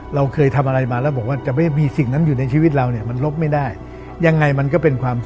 เราเคยทำอะไรมาแล้วบอกว่า